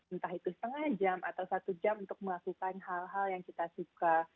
entah itu setengah jam atau satu jam untuk melakukan hal hal yang kita suka